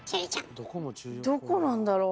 どこなんだろう。